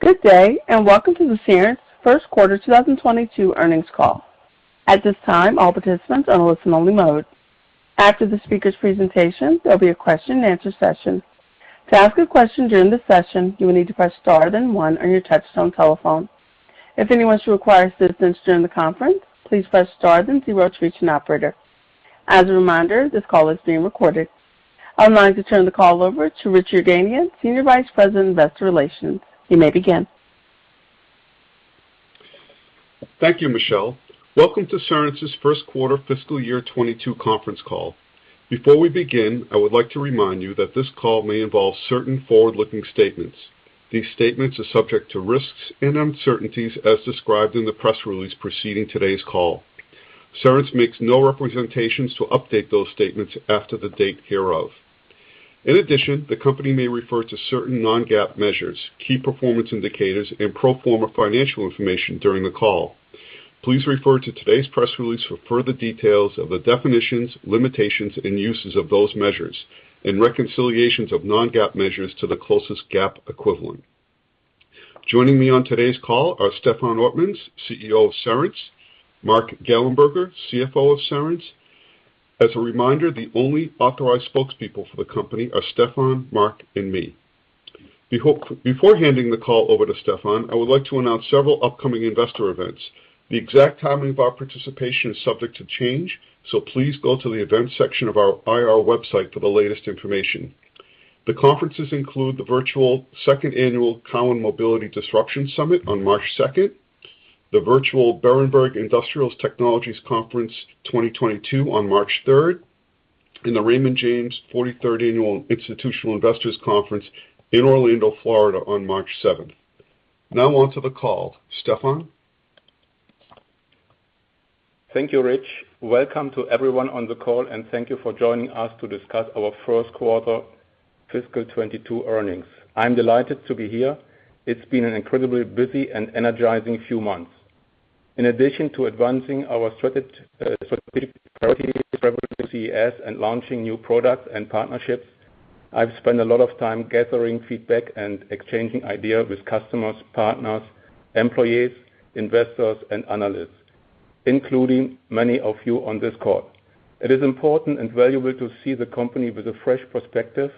Good day, and welcome to the Cerence first quarter 2022 earnings call. At this time, all participants are in listen only mode. After the speaker's presentation, there'll be a Q&A session. To ask a question during this session, you will need to press star then one on your touchtone telephone. If anyone should require assistance during the conference, please press star then zero to reach an operator. As a reminder, this call is being recorded. I would like to turn the call over to Richard Yerganian, Senior Vice President, investor relations. You may begin. Thank you, Michelle. Welcome to Cerence's Q1 FY 2022 conference call. Before we begin, I would like to remind you that this call may involve certain forward-looking statements. These statements are subject to risks and uncertainties as described in the press release preceding today's call. Cerence makes no representations to update those statements after the date hereof. In addition, the company may refer to certain non-GAAP measures, key performance indicators, and pro forma financial information during the call. Please refer to today's press release for further details of the definitions, limitations, and uses of those measures and reconciliations of non-GAAP measures to the closest GAAP equivalent. Joining me on today's call are Stefan Ortmanns, CEO of Cerence, Mark Gallenberger, CFO of Cerence. As a reminder, the only authorized spokespeople for the company are Stefan, Mark, and me. Before handing the call over to Stefan, I would like to announce several upcoming investor events. The exact timing of our participation is subject to change, so please go to the events section of our IR website for the latest information. The conferences include the virtual 2nd Annual Cowen Mobility Disruption Conference on March 2nd, 2022, the virtual Berenberg Industrial Technologies Conference 2022 on March 3rd, 2022, and the Raymond James 43rd Annual Institutional Investors Conference in Orlando, Florida on March 7th, 2022. Now on to the call. Stefan? Thank you, Rich. Welcome to everyone on the call and thank you for joining us to discuss our Q1 fiscal 2022 earnings. I'm delighted to be here. It's been an incredibly busy and energizing few months. In addition to advancing our strategic priorities and launching new products and partnerships, I've spent a lot of time gathering feedback and exchanging ideas with customers, partners, employees, investors, and analysts, including many of you on this call. It is important and valuable to see the company with a fresh perspective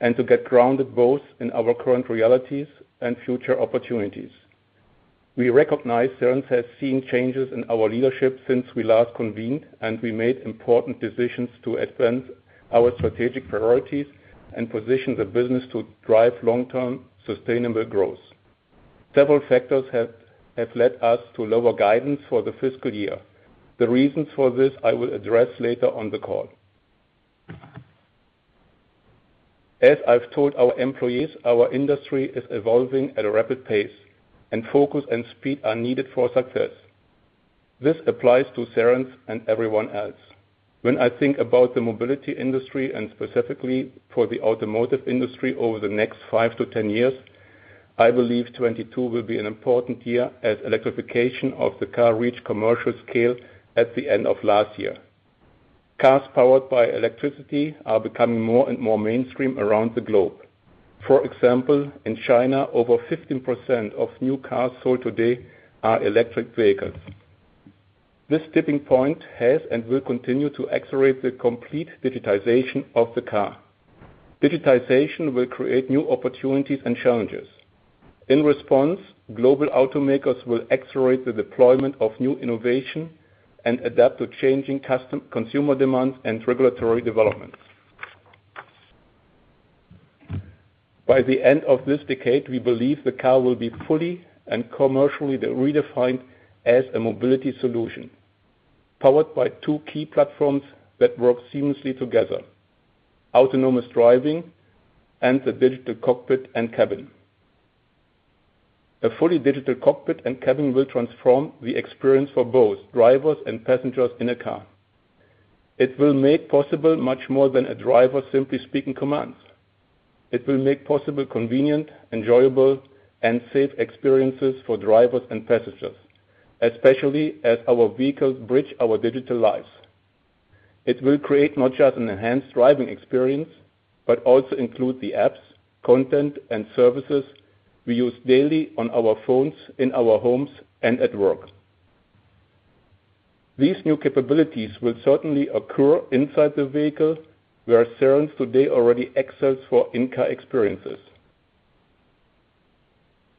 and to get grounded both in our current realities and future opportunities. We recognize Cerence has seen changes in our leadership since we last convened, and we made important decisions to advance our strategic priorities and position the business to drive long-term sustainable growth. Several factors have led us to lower guidance for the fiscal year. The reasons for this, I will address later on the call. As I've told our employees, our industry is evolving at a rapid pace and focus, and speed are needed for success. This applies to Cerence, and everyone else. When I think about the mobility industry, and specifically for the automotive industry over the next five years-10 years, I believe 2022 will be an important year as electrification of the car reached commercial scale at the end of last year. Cars powered by electricity are becoming more and more mainstream around the globe. For example, in China, over 15% of new cars sold today are electric vehicles. This tipping point has and will continue to accelerate the complete digitization of the car. Digitization will create new opportunities and challenges. In response, global automakers will accelerate the deployment of new innovation and adapt to changing customer demands and regulatory developments. By the end of this decade, we believe the car will be fully and commercially redefined as a mobility solution, powered by two key platforms that work seamlessly together, autonomous driving and the digital cockpit and cabin. A fully digital cockpit and cabin will transform the experience for both drivers and passengers in a car. It will make possible much more than a driver simply speaking commands. It will make possible convenient, enjoyable, and safe experiences for drivers and passengers, especially as our vehicles bridge our digital lives. It will create not just an enhanced driving experience, but also include the apps, content, and services we use daily on our phones, in our homes, and at work. These new capabilities will certainly occur inside the vehicle, where Cerence today already excels for in-car experiences.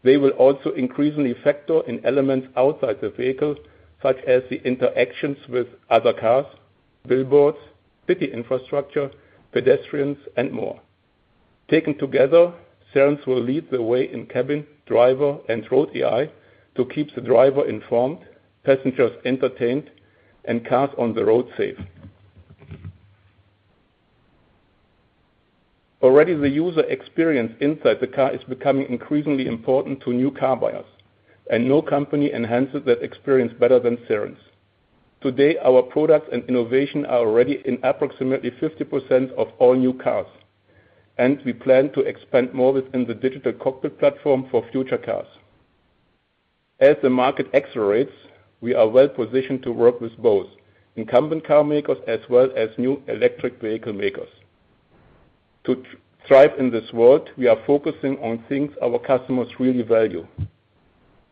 They will also increasingly factor in elements outside the vehicle, such as the interactions with other cars, billboards, city infrastructure, pedestrians, and more. Taken together, Cerence will lead the way in cabin, driver, and road AI to keep the driver informed, passengers entertained, and cars on the road safe. Already the user experience inside the car is becoming increasingly important to new car buyers, and no company enhances that experience better than Cerence. Today, our products and innovation are already in approximately 50% of all new cars, and we plan to expand more within the digital cockpit platform for future cars. As the market accelerates, we are well positioned to work with both incumbent car makers as well as new electric vehicle makers. To thrive in this world, we are focusing on things our customers really value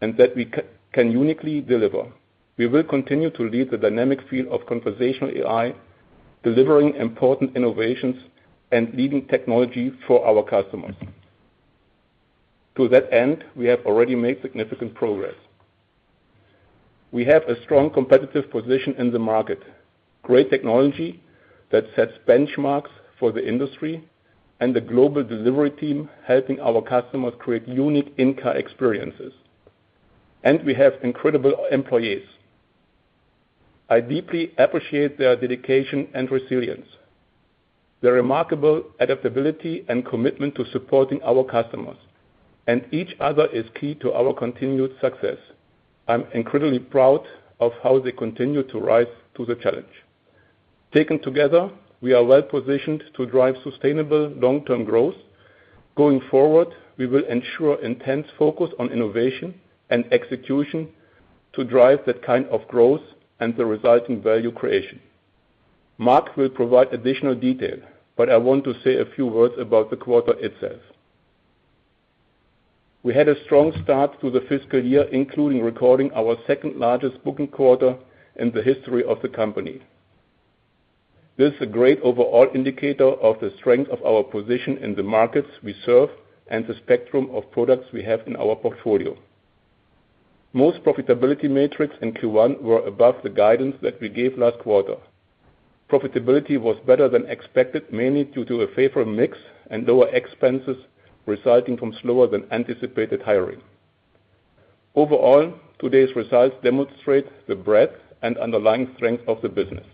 and that we can uniquely deliver. We will continue to lead the dynamic field of conversational AI, delivering important innovations and leading technology for our customers. To that end, we have already made significant progress. We have a strong competitive position in the market, great technology that sets benchmarks for the industry, and a global delivery team helping our customers create unique in-car experiences. We have incredible employees. I deeply appreciate their dedication and resilience. Their remarkable adaptability and commitment to supporting our customers and each other is key to our continued success. I'm incredibly proud of how they continue to rise to the challenge. Taken together, we are well-positioned to drive sustainable long-term growth. Going forward, we will ensure intense focus on innovation and execution to drive that kind of growth and the resulting value creation. Mark will provide additional detail, but I want to say a few words about the quarter itself. We had a strong start to the fiscal year, including recording our second largest booking quarter in the history of the company. This is a great overall indicator of the strength of our position in the markets we serve and the spectrum of products we have in our portfolio. Most profitability metrics in Q1 were above the guidance that we gave last quarter. Profitability was better than expected, mainly due to a favorable mix and lower expenses resulting from slower than anticipated hiring. Overall, today's results demonstrate the breadth and underlying strength of the business.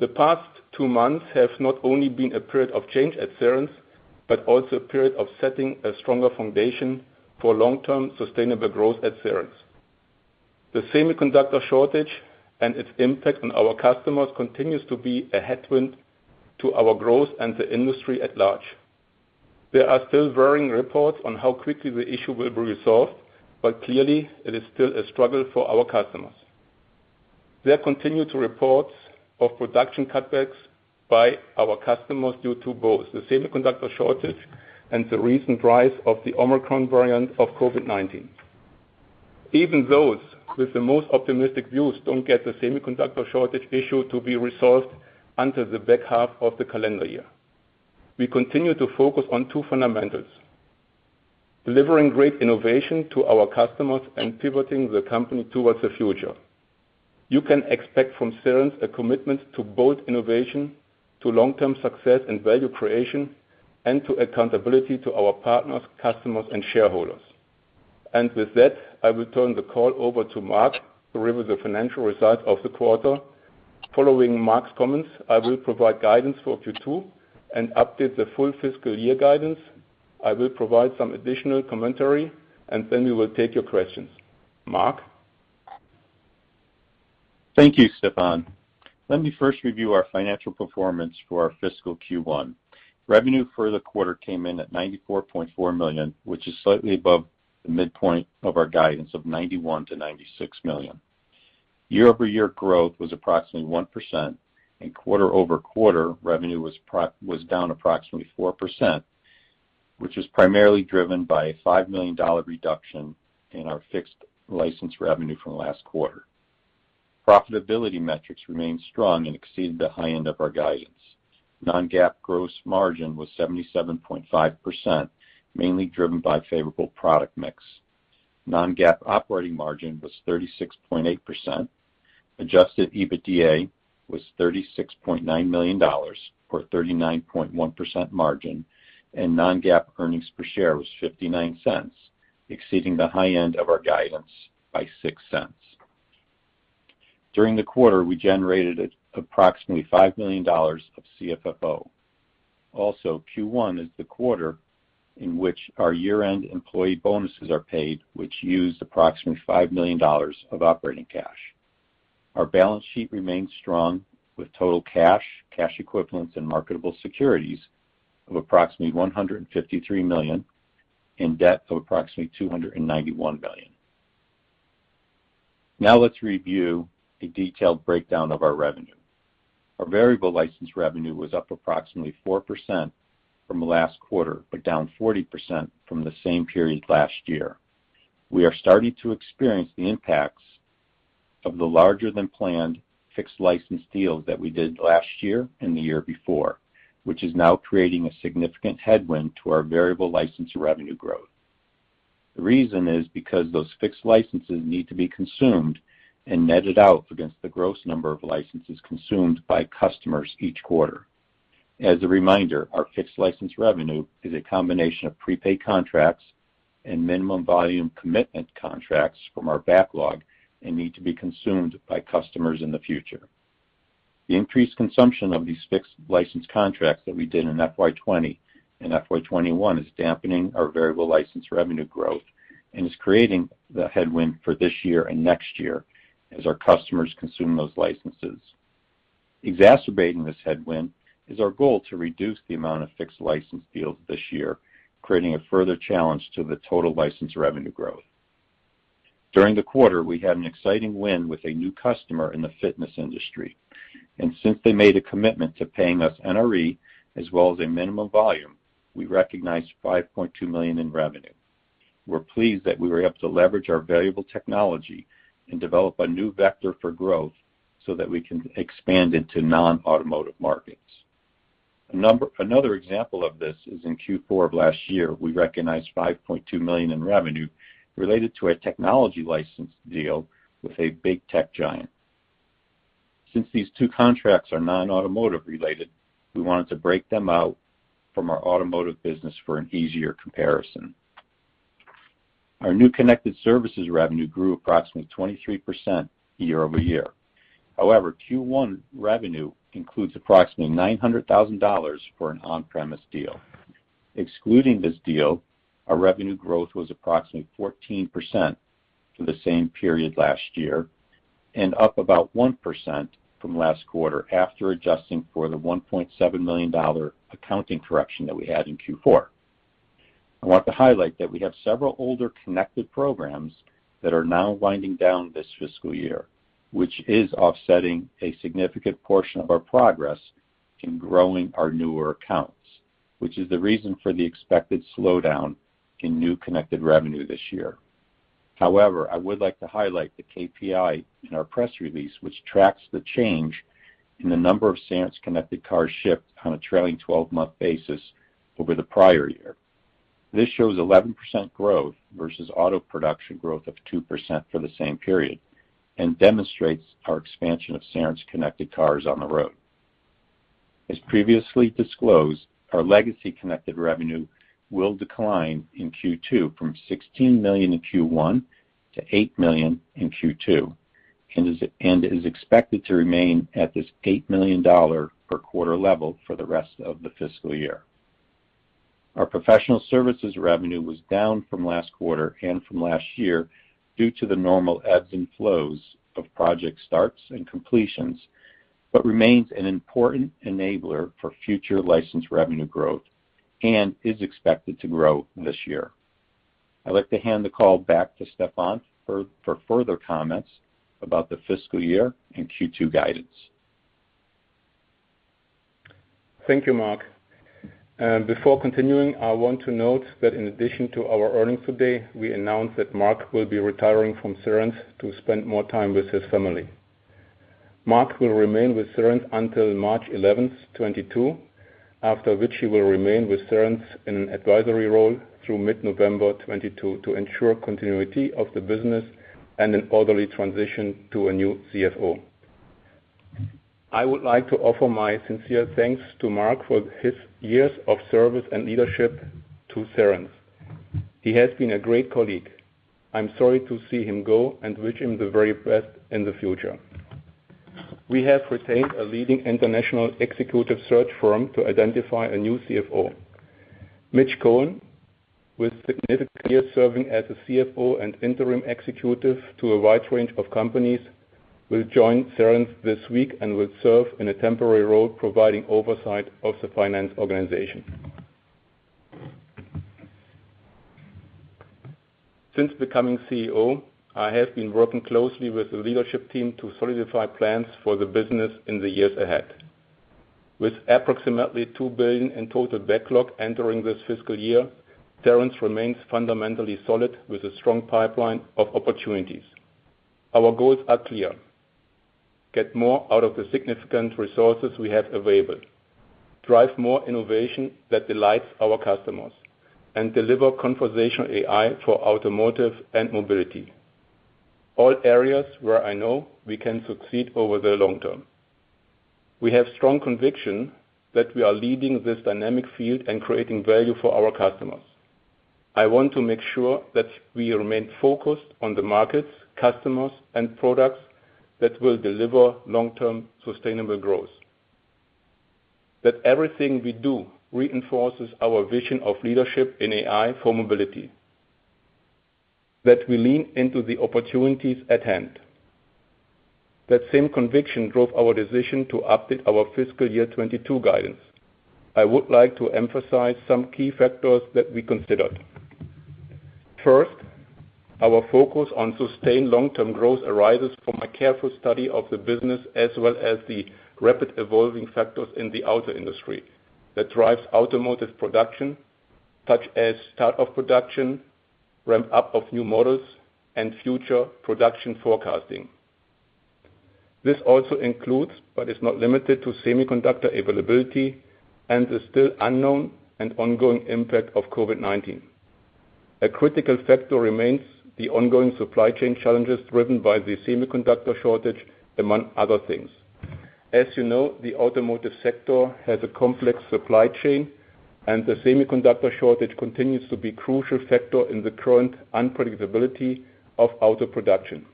The past two months have not only been a period of change at Cerence, but also a period of setting a stronger foundation for long-term sustainable growth at Cerence. The semiconductor shortage and its impact on our customers continues to be a headwind to our growth and the industry at large. There are still varying reports on how quickly the issue will be resolved, but clearly it is still a struggle for our customers. There continue to be reports of production cutbacks by our customers due to both the semiconductor shortage and the recent rise of the Omicron variant of COVID-19. Even those with the most optimistic views don't expect the semiconductor shortage issue to be resolved until the back half of the calendar year. We continue to focus on two fundamentals, delivering great innovation to our customers and pivoting the company towards the future. You can expect from Cerence a commitment to both innovation, to long-term success and value creation, and to accountability to our partners, customers, and shareholders. With that, I will turn the call over to Mark to review the financial results of the quarter. Following Mark's comments, I will provide guidance for Q2 and update the full fiscal year guidance. I will provide some additional commentary, and then we will take your questions. Mark? Thank you, Stefan. Let me first review our financial performance for our fiscal Q1. Revenue for the quarter came in at $94.4 million, which is slightly above the midpoint of our guidance of $91 million-$96 million. Year-over-year growth was approximately 1%, and quarter-over-quarter revenue was down approximately 4%, which was primarily driven by a $5 million reduction in our fixed license revenue from last quarter. Profitability metrics remained strong and exceeded the high end of our guidance. Non-GAAP gross margin was 77.5%, mainly driven by favorable product mix. Non-GAAP operating margin was 36.8%. Adjusted EBITDA was $36.9 million, or 39.1% margin, and non-GAAP earnings per share was $0.59, exceeding the high end of our guidance by $0.06. During the quarter, we generated approximately $5 million of CFFO. Also, Q1 is the quarter in which our year-end employee bonuses are paid, which used approximately $5 million of operating cash. Our balance sheet remains strong with total cash equivalents, and marketable securities of approximately $153 million, and debt of approximately $291 million. Now let's review a detailed breakdown of our revenue. Our variable license revenue was up approximately 4% from last quarter, but down 40% from the same period last year. We are starting to experience the impacts of the larger than planned fixed license deals that we did last year and the year before, which is now creating a significant headwind to our variable license revenue growth. The reason is because those fixed licenses need to be consumed and netted out against the gross number of licenses consumed by customers each quarter. As a reminder, our fixed license revenue is a combination of prepaid contracts and minimum volume commitment contracts from our backlog and need to be consumed by customers in the future. The increased consumption of these fixed license contracts that we did in FY 2020, and FY 2021 is dampening our variable license revenue growth and is creating the headwind for this year and next year as our customers consume those licenses. Exacerbating this headwind is our goal to reduce the amount of fixed license deals this year, creating a further challenge to the total license revenue growth. During the quarter, we had an exciting win with a new customer in the fitness industry, and since they made a commitment to paying us NRE as well as a minimum volume, we recognized $5.2 million in revenue. We're pleased that we were able to leverage our valuable technology and develop a new vector for growth so that we can expand into non-automotive markets. Another example of this is in Q4 of last year, we recognized $5.2 million in revenue related to a technology license deal with a big tech giant. Since these two contracts are non-automotive related, we wanted to break them out from our automotive business for an easier comparison. Our new connected services revenue grew approximately 23% year-over-year. However, Q1 revenue includes approximately $900,000 for an on-premise deal. Excluding this deal, our revenue growth was approximately 14% for the same period last year and up about 1% from last quarter after adjusting for the $1.7 million accounting correction that we had in Q4. I want to highlight that we have several older connected programs that are now winding down this fiscal year, which is offsetting a significant portion of our progress in growing our newer accounts, which is the reason for the expected slowdown in new connected revenue this year. However, I would like to highlight the KPI in our press release, which tracks the change in the number of Cerence connected cars shipped on a trailing 12-month basis over the prior year. This shows 11% growth versus auto production growth of 2% for the same period and demonstrates our expansion of Cerence connected cars on the road. As previously disclosed, our legacy connected revenue will decline in Q2, from $16 million in Q1, to $8 million in Q2, and is expected to remain at this $8 million per quarter level for the rest of the fiscal year. Our professional services revenue was down from last quarter and from last year due to the normal ebbs and flows of project starts and completions, but remains an important enabler for future license revenue growth and is expected to grow this year. I'd like to hand the call back to Stefan for further comments about the fiscal year and Q2 guidance. Thank you, Mark. Before continuing, I want to note that in addition to our earnings today, we announced that Mark will be retiring from Cerence to spend more time with his family. Mark will remain with Cerence until March 11th, 2022, after which he will remain with Cerence in an advisory role through mid-November 2022 to ensure continuity of the business and an orderly transition to a new CFO. I would like to offer my sincere thanks to Mark for his years of service and leadership to Cerence. He has been a great colleague. I'm sorry to see him go and wish him the very best in the future. We have retained a leading international executive search firm to identify a new CFO. Mitch Cohen, with significant years serving as a CFO and interim executive to a wide range of companies, will join Cerence this week and will serve in a temporary role providing oversight of the finance organization. Since becoming CEO, I have been working closely with the leadership team to solidify plans for the business in the years ahead. With approximately $2 billion in total backlog entering this fiscal year, Cerence remains fundamentally solid with a strong pipeline of opportunities. Our goals are clear, get more out of the significant resources we have available, drive more innovation that delights our customers, and deliver conversational AI for automotive and mobility, all areas where I know we can succeed over the long term. We have strong conviction that we are leading this dynamic field and creating value for our customers. I want to make sure that we remain focused on the markets, customers, and products that will deliver long-term sustainable growth, that everything we do reinforces our vision of leadership in AI for mobility, that we lean into the opportunities at hand. That same conviction drove our decision to update our fiscal year 2022 guidance. I would like to emphasize some key factors that we considered. First, our focus on sustained long-term growth arises from a careful study of the business as well as the rapidly evolving factors in the auto industry that drive automotive production, such as start of production, ramp up of new models, and future production forecasting. This also includes, but is not limited to, semiconductor availability and the still unknown and ongoing impact of COVID-19. A critical factor remains the ongoing supply chain challenges driven by the semiconductor shortage, among other things. As you know, the automotive sector has a complex supply chain, and the semiconductor shortage continues to be a crucial factor in the current unpredictability of auto production.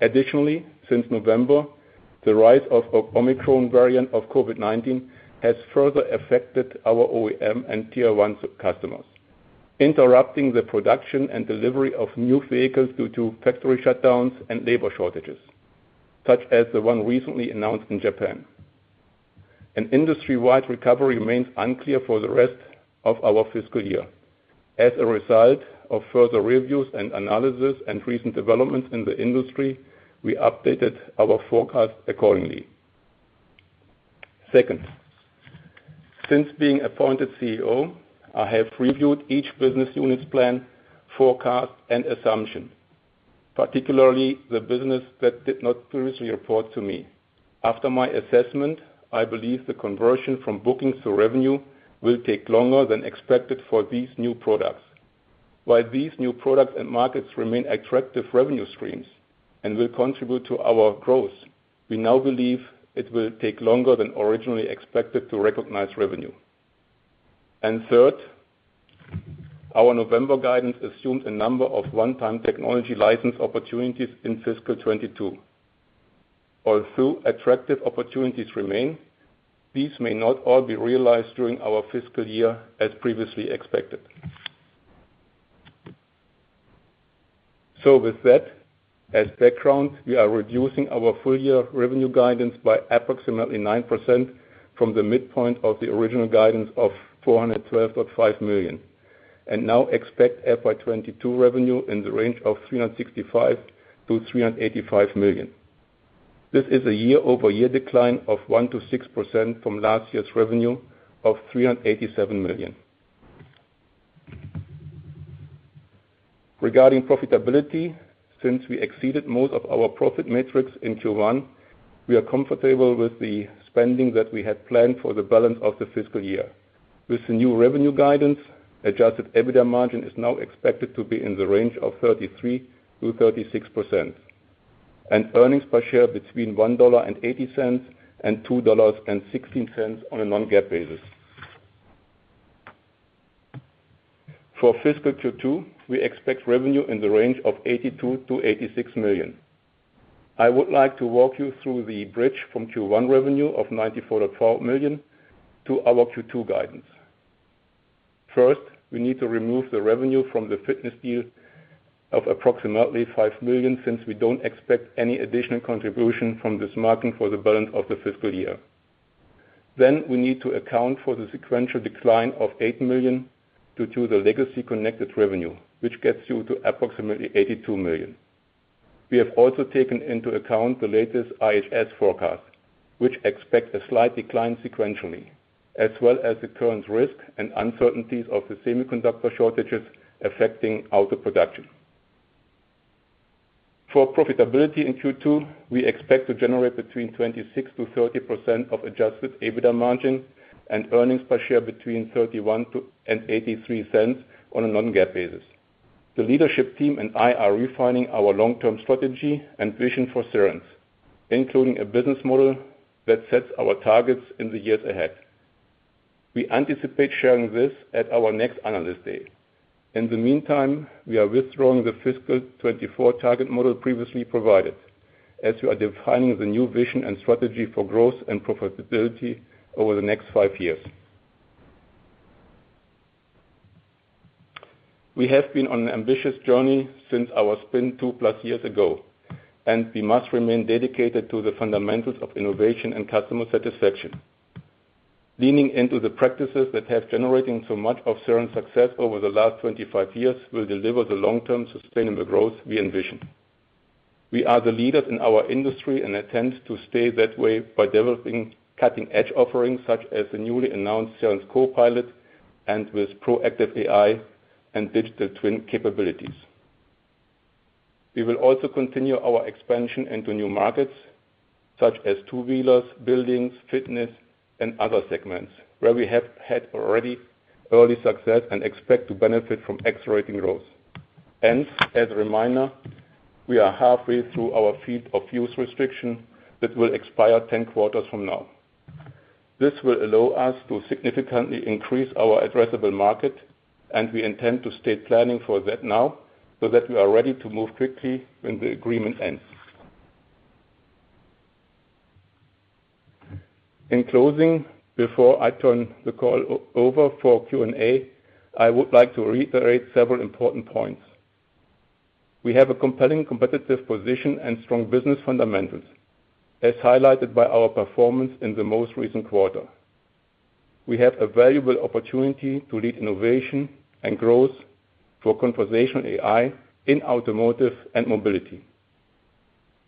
Additionally, since November, the rise of the Omicron variant of COVID-19 has further affected our OEM and Tier 1 customers, interrupting the production and delivery of new vehicles due to factory shutdowns and labor shortages, such as the one recently announced in Japan. An industry-wide recovery remains unclear for the rest of our fiscal year. As a result of further reviews and analysis and recent developments in the industry, we updated our forecast accordingly. Second, since being appointed CEO, I have reviewed each business unit's plan, forecast, and assumption, particularly the business that did not previously report to me. After my assessment, I believe the conversion from bookings to revenue will take longer than expected for these new products. While these new products and markets remain attractive revenue streams and will contribute to our growth, we now believe it will take longer than originally expected to recognize revenue. Third, our November guidance assumed a number of one-time technology license opportunities in FY 2022. Although attractive opportunities remain, these may not all be realized during our fiscal year as previously expected. With that as background, we are reducing our full-year revenue guidance by approximately 9%, from the midpoint of the original guidance of $212.5 million, and now expect FY 2022 revenue in the range of $365 million-$385 million. This is a year-over-year decline of 1%-6% from last year's revenue of $387 million. Regarding profitability, since we exceeded most of our profit metrics in Q1, we are comfortable with the spending that we had planned for the balance of the fiscal year. With the new revenue guidance, adjusted EBITDA margin is now expected to be in the range of 33%-36%, and earnings per share between $1.80 and $2.16 on a non-GAAP basis. For fiscal Q2, we expect revenue in the range of $82 million-$86 million. I would like to walk you through the bridge from Q1 revenue of $94.12 million to our Q2 guidance. First, we need to remove the revenue from the fitness deal of approximately $5 million, since we don't expect any additional contribution from this market for the balance of the fiscal year. We need to account for the sequential decline of $8 million, due to the legacy connected revenue, which gets you to approximately $82 million. We have also taken into account the latest IHS forecast, which expect a slight decline sequentially, as well as the current risk and uncertainties of the semiconductor shortages affecting auto production. For profitability in Q2, we expect to generate between 26%-30% adjusted EBITDA margin and earnings per share between $0.31-$0.83 on a non-GAAP basis. The leadership team and I are refining our long-term strategy and vision for Cerence, including a business model that sets our targets in the years ahead. We anticipate sharing this at our next Analyst Day. In the meantime, we are withdrawing the fiscal 2024 target model previously provided, as we are defining the new vision and strategy for growth and profitability over the next five years. We have been on an ambitious journey since our spin two plus years ago, and we must remain dedicated to the fundamentals of innovation and customer satisfaction. Leaning into the practices that have generated so much of Cerence's success over the last 25 years will deliver the long-term sustainable growth we envision. We are the leaders in our industry and intend to stay that way by developing cutting-edge offerings such as the newly announced Cerence Copilot, and with Proactive AI, and Digital Twin capabilities. We will also continue our expansion into new markets such as two-wheelers, buildings, fitness, and other segments where we have had already early success and expect to benefit from accelerating growth. As a reminder, we are halfway through our Field-of-Use restriction that will expire 10 quarters from now. This will allow us to significantly increase our addressable market, and we intend to stay planning for that now, so that we are ready to move quickly when the agreement ends. In closing, before I turn the call over for Q&A, I would like to reiterate several important points. We have a compelling competitive position and strong business fundamentals, as highlighted by our performance in the most recent quarter. We have a valuable opportunity to lead innovation and growth for conversational AI in automotive and mobility,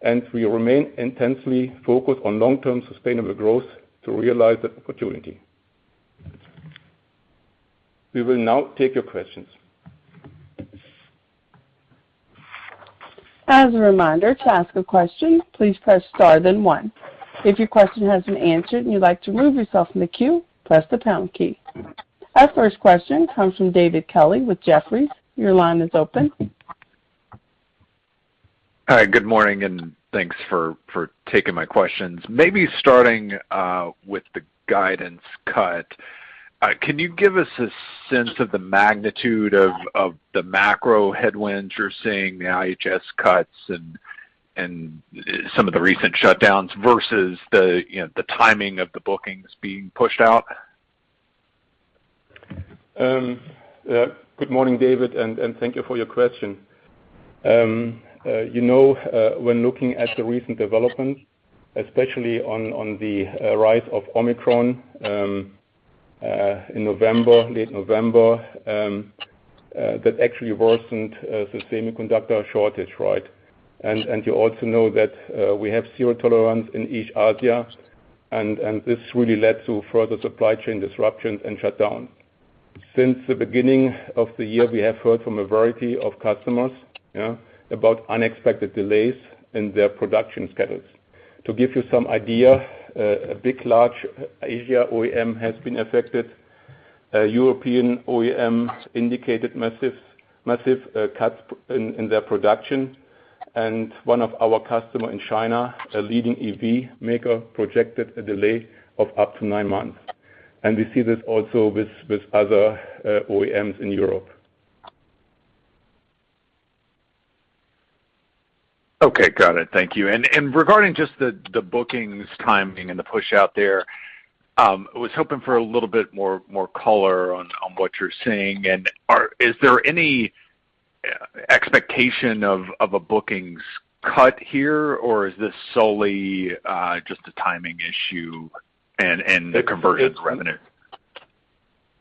and we remain intensely focused on long-term sustainable growth to realize that opportunity. We will now take your questions. As a reminder, to ask a question, please press star then one, if your question has been answered and would like to remove yourself from the queue, press the tone key. Our first question comes from David Kelley with Jefferies. Your line is open. Hi, good morning, and thanks for taking my questions. Maybe starting with the guidance cut, can you give us a sense of the magnitude of the macro headwinds you're seeing, the IHS cuts and some of the recent shutdowns versus the, you know, the timing of the bookings being pushed out? Good morning, David, and thank you for your question. You know, when looking at the recent developments, especially on the rise of Omicron in late November, that actually worsened the semiconductor shortage, right? You also know that we have zero tolerance in East Asia, and this really led to further supply chain disruptions and shutdowns. Since the beginning of the year, we have heard from a variety of customers, you know, about unexpected delays in their production schedules. To give you some idea, a big, large Asia OEM has been affected. A European OEM indicated massive cuts in their production. One of our customer in China, a leading EV maker, projected a delay of up to nine months. We see this also with other OEMs in Europe. Okay. Got it. Thank you. Regarding just the bookings timing and the pushout there, I was hoping for a little bit more color on what you're seeing. Is there any expectation of a bookings cut here, or is this solely just a timing issue and the conversion to revenue?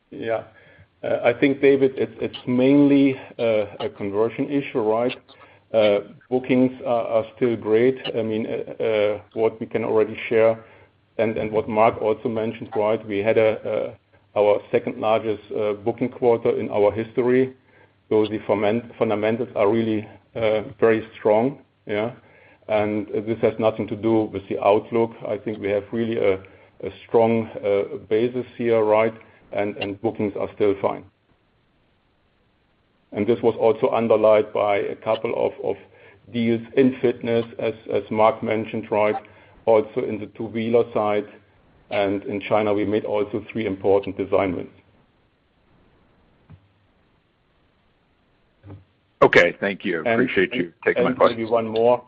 Yeah. I think, David, it's mainly a conversion issue, right? Bookings are still great. I mean, what we can already share and what Mark also mentioned, right, we had our second largest booking quarter in our history. The fundamentals are really very strong, yeah? This has nothing to do with the outlook. I think we have really a strong basis here, right, and bookings are still fine. This was also underlined by a couple of deals in fitness as Mark mentioned, right, also in the two-wheeler side. In China, we made also three important design wins. Okay. Thank you. Appreciate you taking my question. Maybe one more.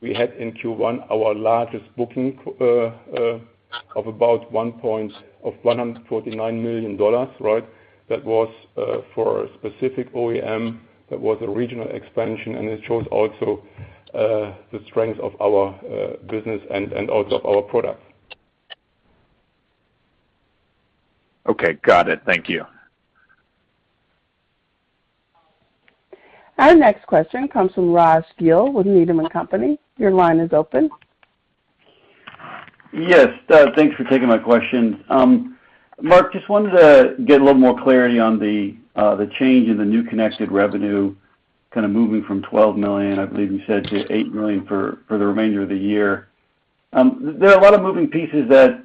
We had in Q1 our largest booking of $149 million, right? That was for a specific OEM. That was a regional expansion, and it shows also the strength of our business and also of our products. Okay. Got it. Thank you. Our next question comes from Raji Gill with Needham & Company. Your line is open. Yes. Thanks for taking my question. Mark, just wanted to get a little more clarity on the change in the new connected revenue kind of moving from $12 million, I believe you said, to $8 million for the remainder of the year. There are a lot of moving pieces that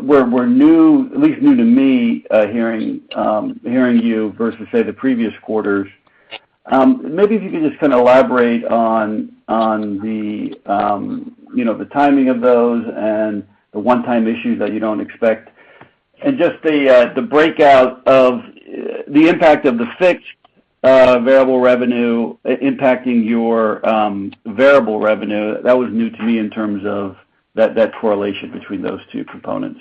were new, at least new to me, hearing you versus, say, the previous quarters. Maybe if you could just kind of elaborate on the you know, the timing of those and the one-time issues that you don't expect. Just the breakout of the impact of the fixed variable revenue impacting your variable revenue. That was new to me in terms of that correlation between those two components?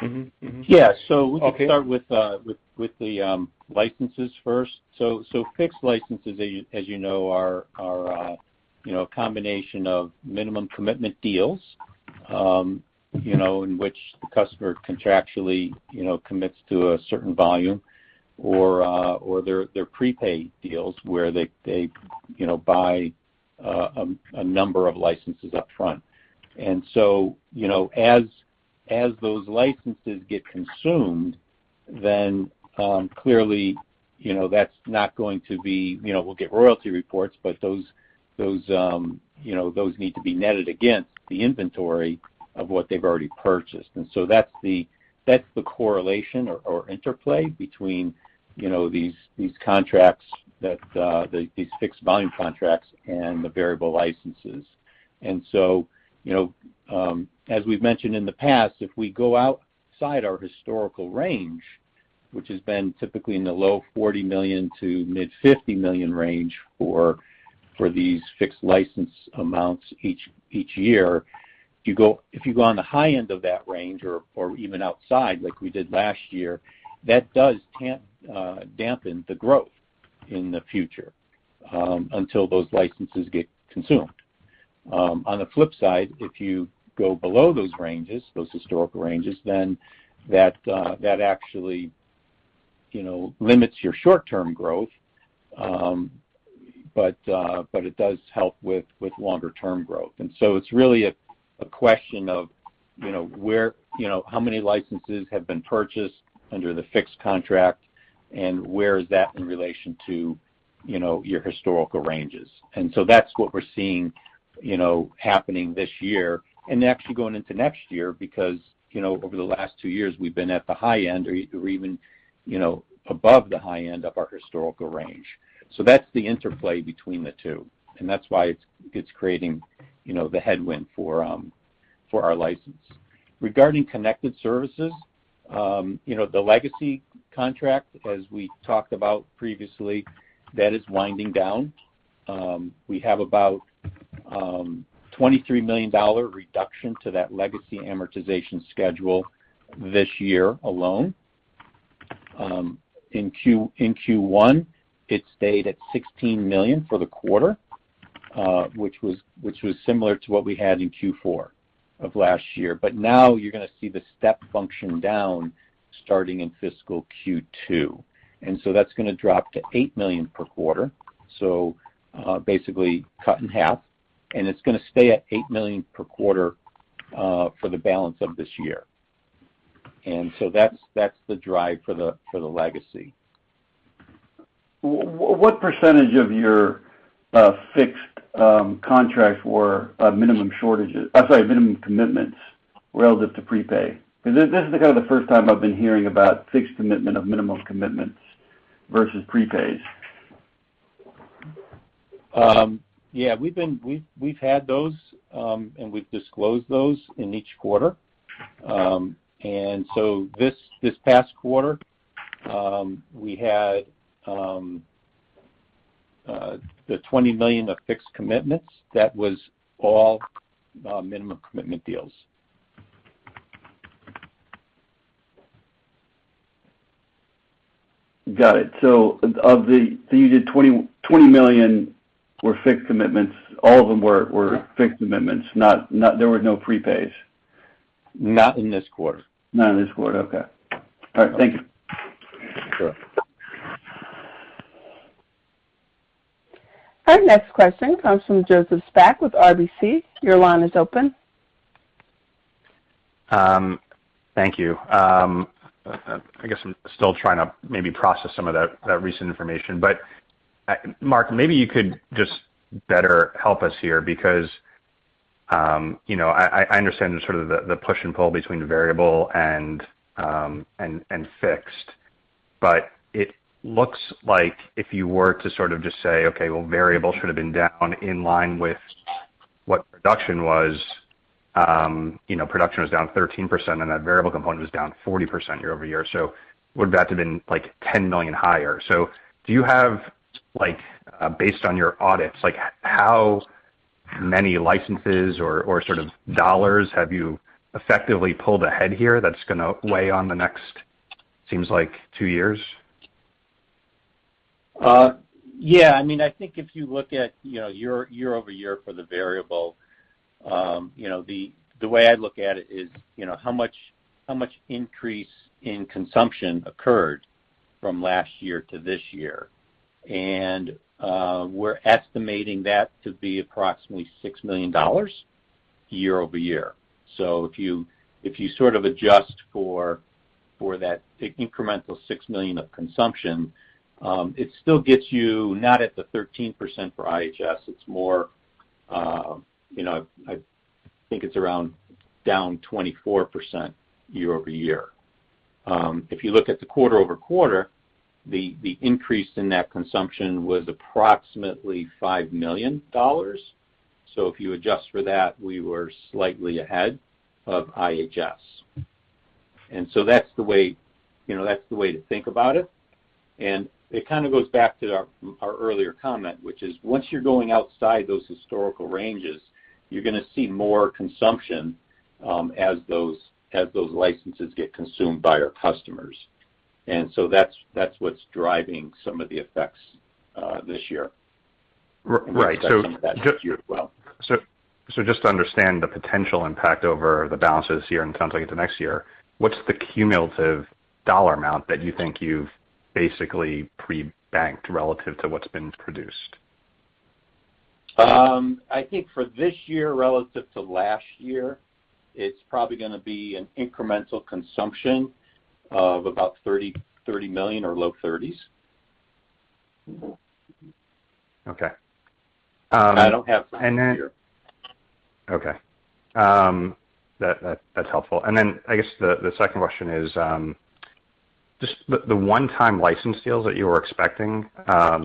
Yeah. We can start with the licenses first. Fixed licenses, as you know, are, you know, a combination of minimum commitment deals in which the customer contractually, you know, commits to a certain volume or they're prepaid deals where they, you know, buy a number of licenses up front. As those licenses get consumed, then clearly, you know, that's not going to be. We'll get royalty reports, but those, you know, those need to be netted against the inventory of what they've already purchased. That's the correlation or interplay between these contracts that these fixed volume contracts and the variable licenses. You know, as we've mentioned in the past, if we go outside our historical range, which has been typically in the low $40 million-mid $50 million range for these fixed license amounts each year, if you go on the high end of that range or even outside like we did last year, that does dampen the growth in the future until those licenses get consumed. On the flip side, if you go below those historical ranges, then that actually limits your short-term growth, but it does help with longer-term growth. It's really a question of you know where you know how many licenses have been purchased under the fixed contract and where is that in relation to your historical ranges. That's what we're seeing, you know, happening this year and actually going into next year because, you know, over the last two years we've been at the high end or even, you know, above the high end of our historical range. That's the interplay between the two, and that's why it's creating, you know, the headwind for our license. Regarding connected services, you know, the legacy contract, as we talked about previously, that is winding down. We have about a $23 million reduction to that legacy amortization schedule this year alone. In Q1, it stayed at $16 million for the quarter, which was similar to what we had in Q4 of last year. Now you're gonna see the step function down starting in fiscal Q2. That's gonna drop to $8 million per quarter, so basically cut in half. It's gonna stay at $8 million per quarter for the balance of this year. That's the drive for the legacy. What percentage of your fixed contracts were minimum commitments relative to prepay? This is kind of the first time I've been hearing about fixed commitment of minimum commitments versus prepays. Yeah. We've had those, and we've disclosed those in each quarter. This past quarter, we had the $20 million of fixed commitments. That was all minimum commitment deals. Got it. So, you did $20 million were fixed commitments. All of them were fixed commitments. There were no prepays? Not in this quarter. Not in this quarter. Okay. All right. Thank you. Sure. Our next question comes from Joseph Spak with RBC. Your line is open. Thank you. I guess I'm still trying to maybe process some of that recent information. Mark, maybe you could just better help us here because you know, I understand sort of the push and pull between the variable and fixed. It looks like if you were to sort of just say, "Okay, well, variable should have been down in line with what production was." You know, production was down 13%, and that variable component was down 40% year-over-year. Would that have been like $10 million higher? Do you have like, based on your audits, like how many licenses or sort of dollars have you effectively pulled ahead here that's gonna weigh on the next, seems like two years? Yeah. I mean, I think if you look at, you know, year-over-year for the variable, you know, the way I look at it is, you know, how much increase in consumption occurred from last year to this year. We're estimating that to be approximately $6 million year-over-year. If you sort of adjust for that incremental $6 million of consumption, it still gets you not at the 13% for IHS, it's more, you know, I think it's around down 24% year-over-year. If you look at the quarter-over-quarter, the increase in that consumption was approximately $5 million. If you adjust for that, we were slightly ahead of IHS. That's the way, you know, that's the way to think about it. It kind of goes back to our earlier comment, which is once you're going outside those historical ranges, you're gonna see more consumption, as those licenses get consumed by our customers. That's what's driving some of the effects this year. Right. As well. Just to understand the potential impact over the balance of this year and sounds like into next year, what's the cumulative dollar amount that you think you've basically pre-banked relative to what's been produced? I think for this year relative to last year, it's probably gonna be an incremental consumption of about $30 million, or low $30 million. Okay. I don't have it here. Okay. That's helpful. Then I guess the second question is just the one-time license deals that you were expecting. I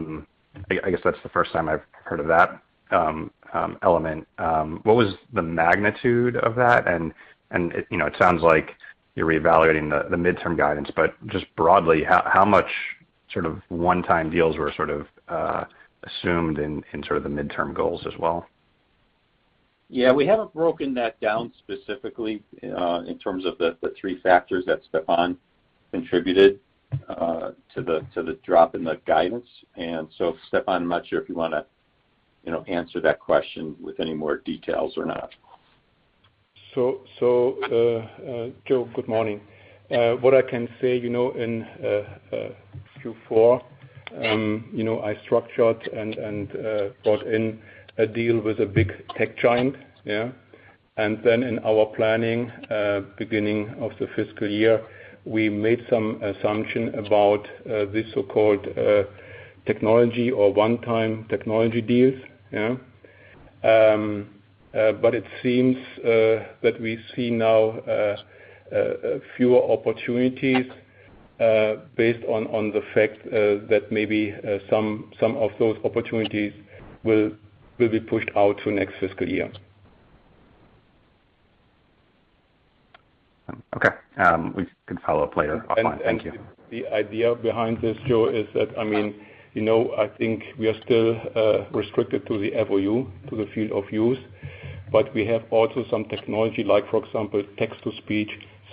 guess that's the first time I've heard of that element. What was the magnitude of that? It, you know, it sounds like you're reevaluating the midterm guidance, but just broadly, how much sort of one-time deals were sort of assumed in sort of the midterm goals as well? Yeah, we haven't broken that down specifically in terms of the three factors that Stefan contributed to the drop in the guidance. Stefan, I'm not sure if you wanna, you know, answer that question with any more details or not. Joe, good morning. What I can say, you know, in Q4, you know, I structured and brought in a deal with a big tech giant, yeah. In our planning, beginning of the fiscal year, we made some assumption about this so-called technology or one-time technology deals, yeah. It seems that we see now fewer opportunities based on the fact that maybe some of those opportunities will be pushed out to next fiscal year. Okay. We can follow up later offline. Thank you. The idea behind this, Joe, is that, I mean, you know, I think we are still restricted to the FOU, to the Field-of-Use, but we have also some technology like, for example, text-to-speech,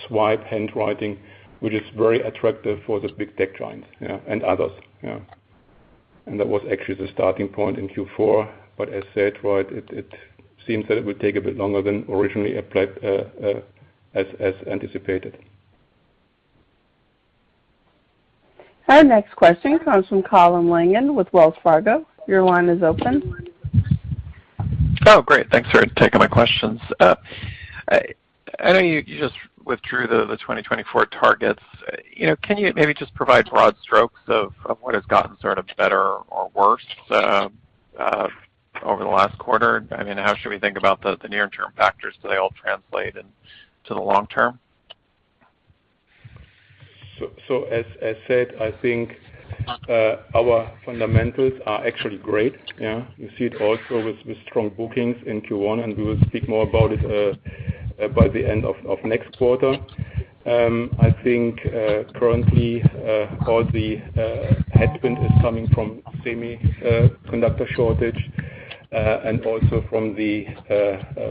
swipe handwriting, which is very attractive for the big tech giants, yeah, and others, yeah. That was actually the starting point in Q4. As said, right, it seems that it would take a bit longer than originally applied, as anticipated. Our next question comes from Colin Langan with Wells Fargo. Your line is open. Oh, great. Thanks for taking my questions. I know you just withdrew the 2024 targets. You know, can you maybe just provide broad strokes of what has gotten sort of better or worse over the last quarter? I mean, how should we think about the near-term factors? Do they all translate into the long term? As said, I think our fundamentals are actually great. Yeah. We see it also with strong bookings in Q1, and we will speak more about it by the end of next quarter. I think currently all the headwind is coming from semiconductor shortage and also from the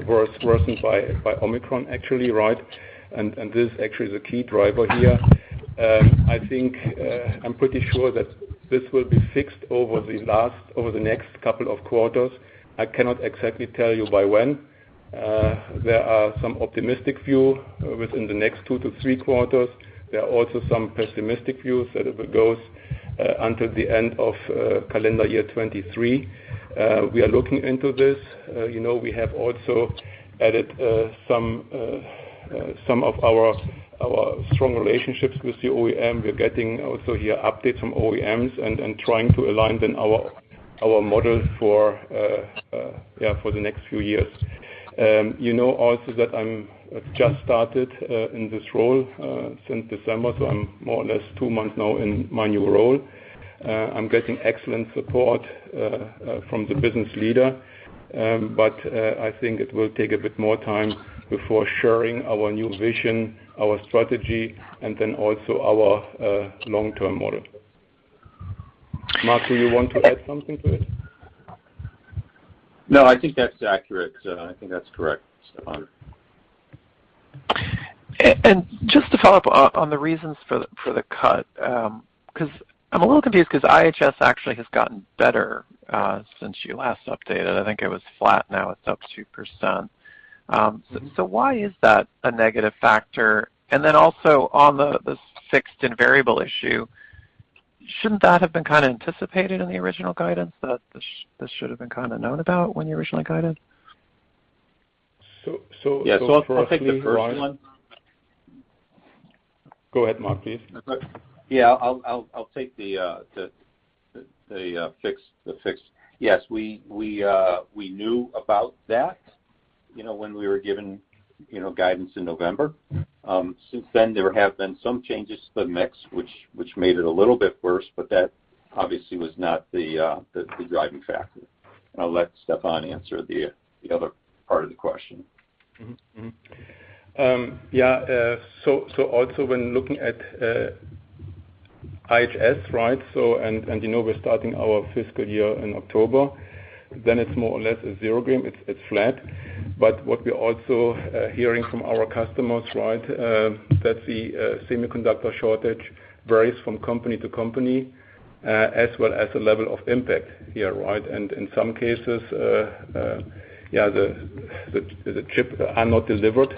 worsened by Omicron actually, right? This actually is a key driver here. I think I'm pretty sure that this will be fixed over the next couple of quarters. I cannot exactly tell you by when. There are some optimistic view within the next two quarters to three quarters. There are also some pessimistic views that it goes until the end of calendar year 2023. We are looking into this. You know, we have also added some of our strong relationships with the OEM. We're getting also here updates from OEMs and trying to align then our models for the next few years. You know also that I've just started in this role since December, so I'm more or less two months now in my new role. I'm getting excellent support from the business leader. I think it will take a bit more time before sharing our new vision, our strategy, and then also our long-term model. Mark, do you want to add something to it? No, I think that's accurate. I think that's correct, Stefan. Just to follow-up on the reasons for the cut, 'cause I'm a little confused 'cause IHS actually has gotten better since you last updated. I think it was flat, now it's up 2%. So why is that a negative factor? Then also on the fixed and variable issue, shouldn't that have been kinda anticipated in the original guidance, that this should have been kinda known about when you originally guided? So. Yeah. I'll take the first one. Go ahead, Mark, please. Yeah. I'll take the fixed. Yes, we knew about that, you know, when we were given, you know, guidance in November. Since then, there have been some changes to the mix which made it a little bit worse, but that obviously was not the driving factor. I'll let Stefan answer the other part of the question. Also when looking at IHS, right? You know we're starting our fiscal year in October, then it's more or less a zero gain. It's flat. What we're also hearing from our customers, right, that the semiconductor shortage varies from company to company, as well as the level of impact here, right? In some cases, yeah, the chips are not delivered,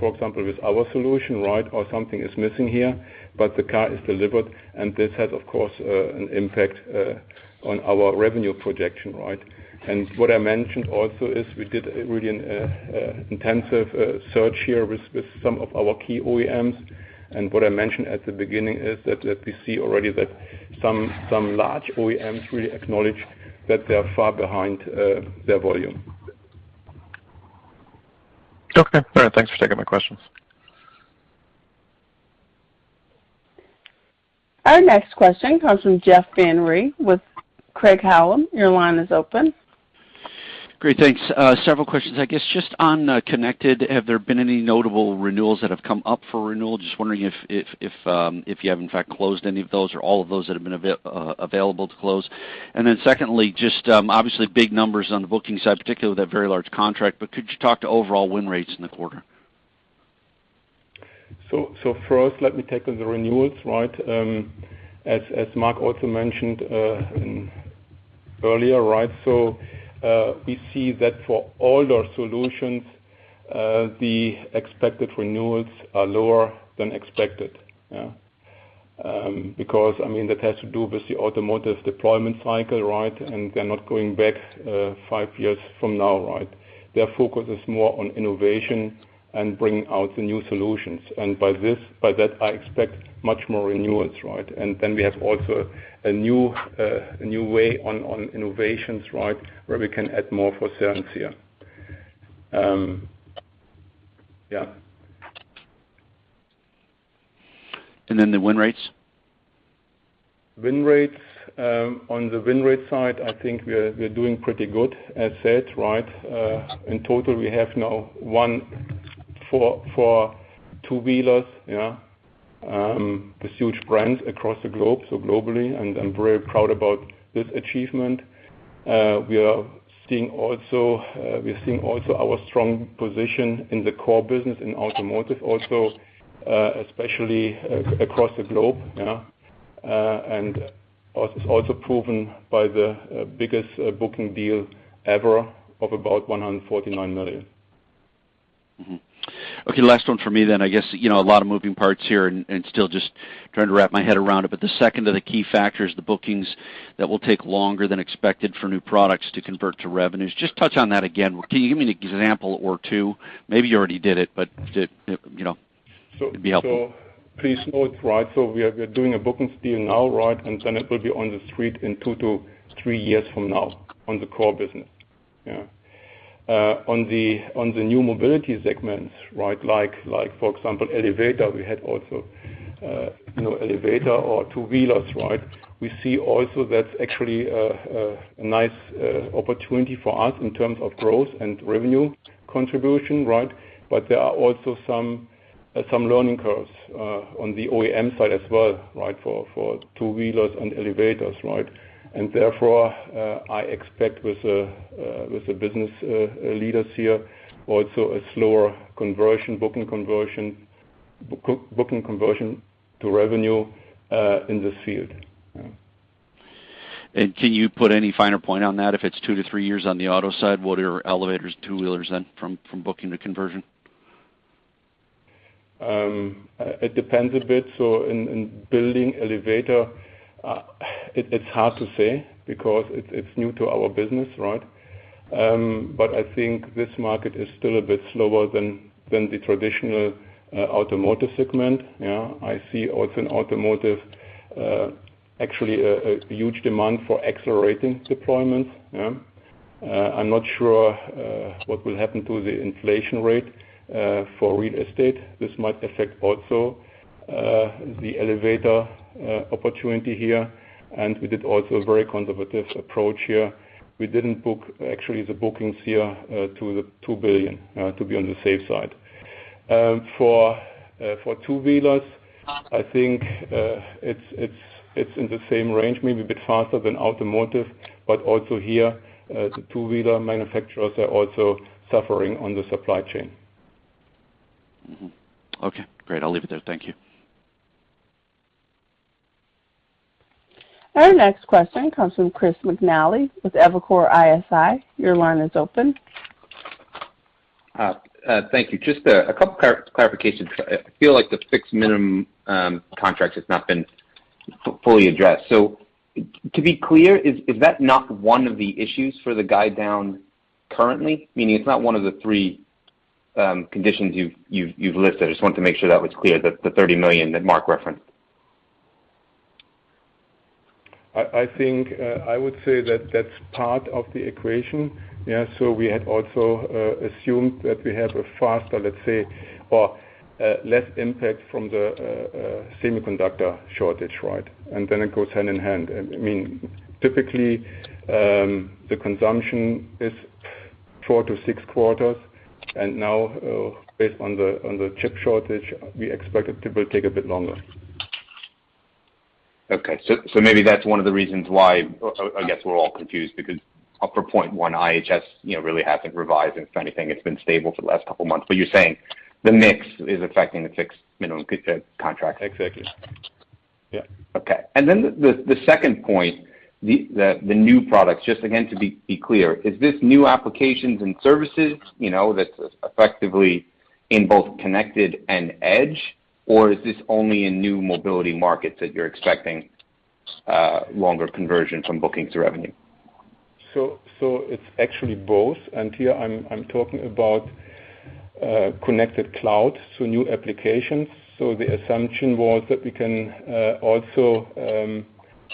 for example, with our solution, right? Or something is missing here, but the car is delivered, and this has, of course, an impact on our revenue projection, right? What I mentioned also is we did really an intensive search here with some of our key OEMs. What I mentioned at the beginning is that we see already that some large OEMs really acknowledge that they are far behind their volume. Okay. All right. Thanks for taking my questions. Our next question comes from Jeff Van Rhee with Craig-Hallum. Your line is open. Great. Thanks. Several questions. I guess just on connected, have there been any notable renewals that have come up for renewal? Just wondering if you have in fact closed any of those or all of those that have been available to close? Then secondly, just obviously big numbers on the booking side, particularly that very large contract, but could you talk to overall win rates in the quarter? First, let me take on the renewals, right? As Mark also mentioned earlier, right? We see that for all our solutions, the expected renewals are lower than expected. Because, I mean, that has to do with the automotive deployment cycle, right? They're not going back five years from now, right? Their focus is more on innovation and bringing out the new solutions. By that, I expect much more renewals, right? Then we have also a new way on innovations, right? Where we can add more for customers here. And then the win rates? Win rates, on the win rate side, I think we're doing pretty good as said, right? In total, we have now won for two-wheelers, yeah. This huge brand across the globe, so globally, and I'm very proud about this achievement. We are seeing also our strong position in the core business in automotive also, especially across the globe, yeah. It's also proven by the biggest booking deal ever of about $149 million. Okay, last one for me then. I guess, you know, a lot of moving parts here and still just trying to wrap my head around it. The second of the key factors, the bookings that will take longer than expected for new products to convert to revenues. Just touch on that again. Can you give me an example or two? Maybe you already did it, but you know, it'd be helpful. Please know it's right. We are doing a booking deal now, right? Then it will be on the street in two years-three years from now on the core business. Yeah. On the new mobility segments, right? Like for example, elevator, we had also, you know, elevator or two-wheelers, right? We see also that's actually a nice opportunity for us in terms of growth and revenue contribution, right? But there are also some learning curves on the OEM side as well, right? For two-wheelers and elevators, right? Therefore, I expect with the business leaders here also a slower booking conversion to revenue in this field. Can you put any finer point on that? If it's two years-three years on the auto side, what are your elevators, two-wheelers from booking to conversion? It depends a bit. In building elevator, it's hard to say because it's new to our business, right? I think this market is still a bit slower than the traditional automotive segment. Yeah. I see also in automotive actually a huge demand for accelerating deployments. Yeah. I'm not sure what will happen to the inflation rate for real estate. This might affect also the elevator opportunity here. We did also a very conservative approach here. We didn't book actually the bookings here to the $2 billion to be on the safe side. For two-wheelers, I think it's in the same range, maybe a bit faster than automotive, but also here the two-wheeler manufacturers are also suffering on the supply chain. Mm-hmm. Okay, great. I'll leave it there. Thank you. Our next question comes from Chris McNally with Evercore ISI. Your line is open. Thank you. Just a couple clarifications. I feel like the fixed minimum contract has not been fully addressed. To be clear, is that not one of the issues for the guide down currently? Meaning it's not one of the three conditions you've listed. I just wanted to make sure that was clear, the $30 million that Mark referenced? I think that that's part of the equation. Yeah. We had also assumed that we have a faster, let's say, or less impact from the semiconductor shortage, right? Then it goes hand in hand. I mean, typically, the consumption is four quarters to six quarters. Now, based on the chip shortage, we expect it will take a bit longer. Okay. Maybe that's one of the reasons why, I guess we're all confused because up 0.1 IHS you know really hasn't revised if anything. It's been stable for the last couple of months. You're saying the mix is affecting the fixed minimum contract. Exactly. Yeah. Okay. The second point, the new products. Just again, to be clear, is this new applications and services, you know, that's effectively in both connected and edge, or is this only in new mobility markets that you're expecting longer conversion from bookings to revenue? It's actually both. Here I'm talking about connected cloud, so new applications. The assumption was that we can also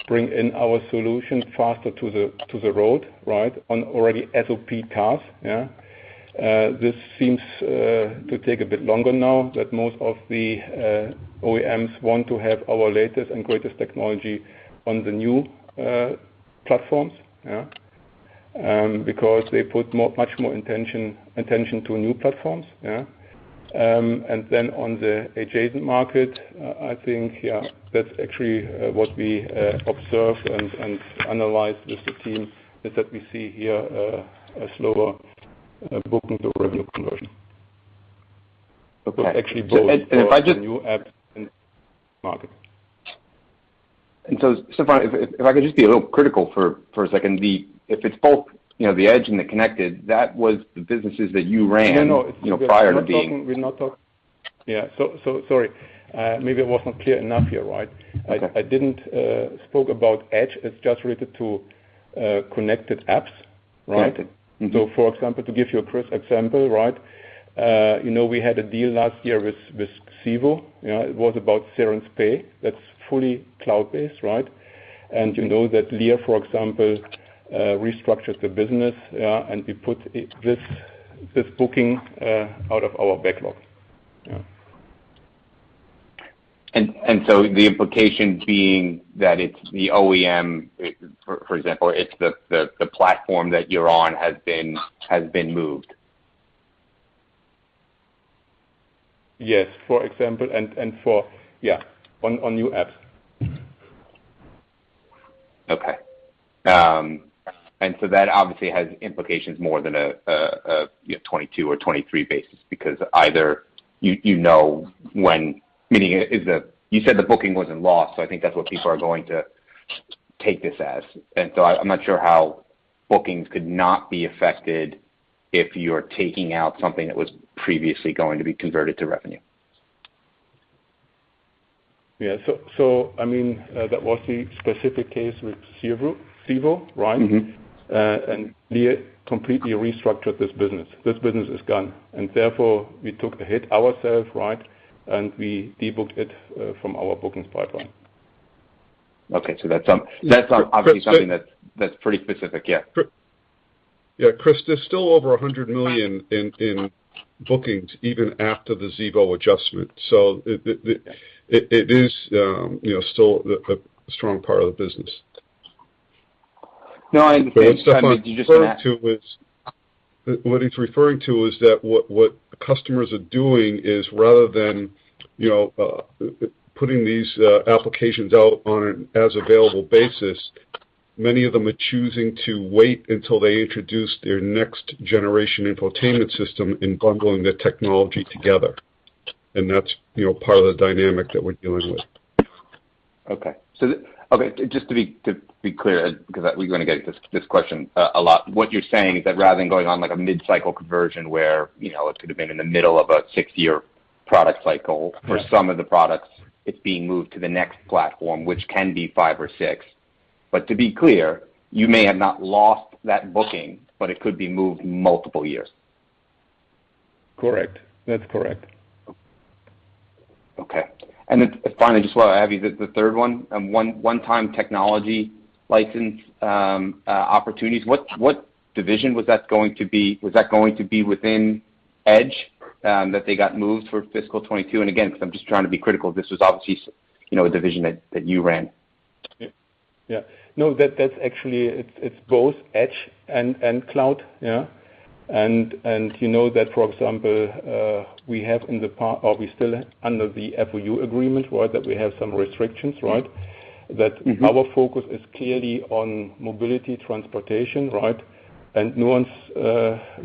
bring in our solution faster to the road, right? On already SOP tasks, yeah. This seems to take a bit longer now that most of the OEMs want to have our latest and greatest technology on the new platforms, yeah. Because they put much more attention to new platforms. Yeah. Then on the adjacent market, I think, yeah, that's actually what we observe and analyze with the team is that we see here a slower booking to revenue conversion. Okay. It's actually both. And, and if I just. For new apps and market. Stefan, if I could just be a little critical for a second. If it's both, you know, the edge and the connected, that was the businesses that you ran. No. You know, prior to being? Yeah. Sorry. Maybe I was not clear enough here, right? Okay. I didn't speak about edge. It's just related to connected apps, right? Got it. For example, to give you a crisp example, right? You know, we had a deal last year with Xevo. You know, it was about Cerence Pay. That's fully cloud-based, right? You know that Lear, for example, restructured the business, yeah, and we put this booking out of our backlog. Yeah. The implication being that it's the OEM, for example, it's the platform that you're on has been moved. Yes. For example, yeah, on new apps. Okay. That obviously has implications more than a you know, 2022 or 2023 basis because either you know. You said the booking wasn't lost, so I think that's what people are going to take this as, and so I'm not sure how bookings could not be affected if you're taking out something that was previously going to be converted to revenue? Yeah. I mean, that was the specific case with Xevo, right? Mm-hmm. Lear completely restructured this business. This business is gone, and therefore we took the hit ourselves, right? We de-booked it from our bookings pipeline. Okay. That's obviously something that's pretty specific. Yeah. Yeah, Chris, there's still over $100 million in bookings even after the Xevo adjustment. It is, you know, still a strong part of the business. No, I understand. I'm just trying to. What he's referring to is that what customers are doing is rather than, you know, putting these applications out on an as available basis, many of them are choosing to wait until they introduce their next generation infotainment system in bundling their technology together. That's, you know, part of the dynamic that we're dealing with. Just to be clear, because we're gonna get this question a lot. What you're saying is that rather than going on like a mid-cycle conversion where, you know, it could have been in the middle of a six-year product cycle. For some of the products, it's being moved to the next platform, which can be five years or six years. To be clear, you may have not lost that booking, but it could be moved multiple years. Correct. That's correct. Okay. Finally, just while I have you, the third one-time technology license opportunities, what division was that going to be? Was that going to be within edge, that they got moved for FY 2022? Again, because I'm just trying to be critical, this was obviously, you know, a division that you ran. Yeah. No, that's actually both edge and cloud. Yeah. And you know that, for example, are we still under the FOU agreement where we have some restrictions, right? That our focus is clearly on mobility transportation, right? Nuance,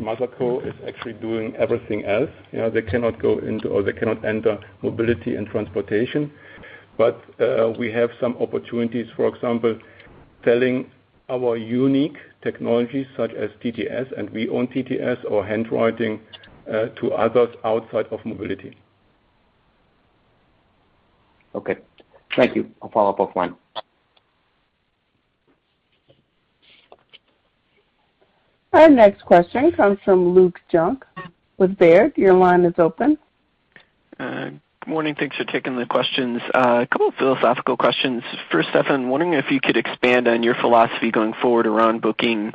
[Microsoft] is actually doing everything else. You know, they cannot go into or they cannot enter mobility and transportation. We have some opportunities, for example, selling our unique technologies such as TTS, and we own TTS or handwriting, to others outside of mobility. Okay. Thank you. I'll follow-up offline. Our next question comes from Luke Junk with Baird. Your line is open. Good morning. Thanks for taking the questions. A couple of philosophical questions. First, Stefan, wondering if you could expand on your philosophy going forward around booking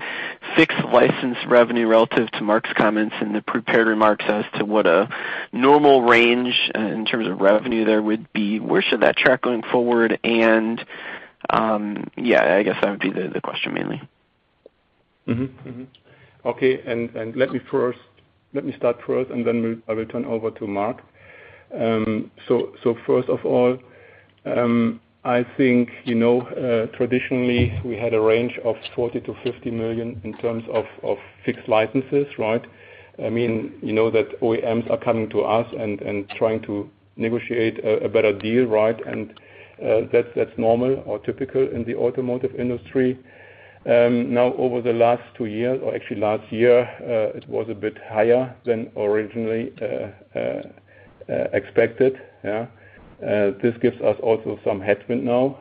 fixed license revenue relative to Mark's comments in the prepared remarks as to what a normal range in terms of revenue there would be. Where should that track going forward? I guess that would be the question mainly. Let me start, and then I will turn over to Mark. So first of all, I think, you know, traditionally we had a range of $40 million-$50 million in terms of fixed licenses, right? I mean, you know that OEMs are coming to us and trying to negotiate a better deal, right? That's normal or typical in the automotive industry. Now, over the last two years, or actually last year, it was a bit higher than originally expected. This gives us also some headwind now.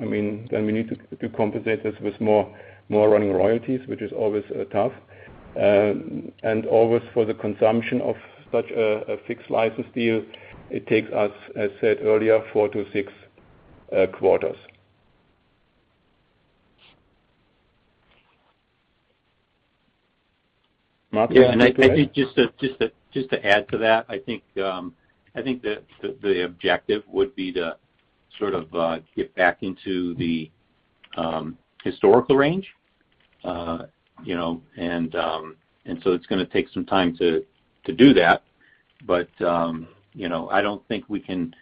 I mean, then we need to compensate this with more running royalties, which is always tough. Always for the consumption of such a fixed license deal, it takes us, as said earlier, four quarters-six quarters. Mark, do you want to add to that? Yeah, I think just to add to that, I think the objective would be to sort of get back into the historical range. You know, and so it's gonna take some time to do that. But you know, I don't think we can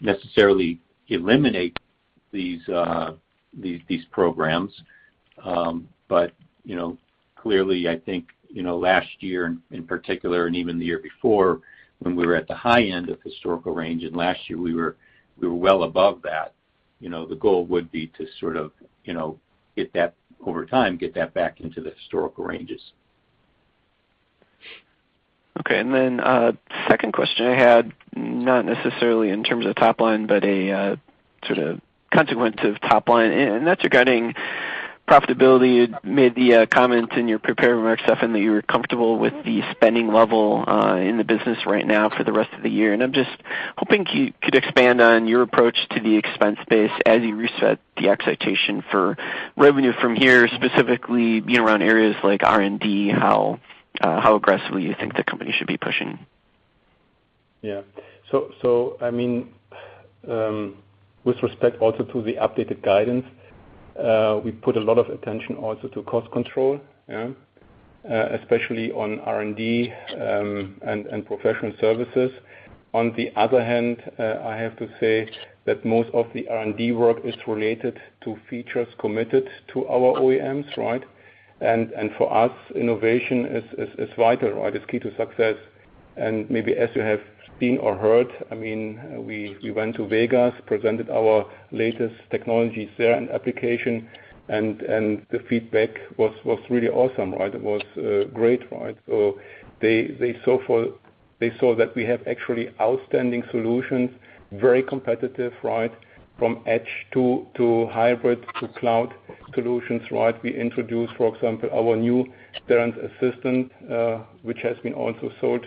necessarily eliminate these programs. But you know, clearly, I think you know, last year in particular and even the year before when we were at the high end of historical range, and last year we were well above that, you know, the goal would be to sort of you know, get that over time, get that back into the historical ranges. Okay. Second question I had, not necessarily in terms of top line, but a sort of consequence of top line, and that's regarding profitability. You made the comment in your prepared remarks, Stefan, that you were comfortable with the spending level in the business right now for the rest of the year. I'm just hoping you could expand on your approach to the expense base as you reset the expectation for revenue from here, specifically, you know, around areas like R&D, how aggressively you think the company should be pushing? I mean, with respect also to the updated guidance, we put a lot of attention also to cost control. Especially on R&D and professional services. On the other hand, I have to say that most of the R&D work is related to features committed to our OEMs, right? For us, innovation is vital, right? It's key to success. Maybe as you have seen or heard, I mean, we went to Vegas, presented our latest technologies there and applications, and the feedback was really awesome, right? It was great, right? They saw that we have actually outstanding solutions, very competitive, right? From edge to hybrid to cloud solutions, right? We introduced, for example, our new Cerence Assistant, which has been also sold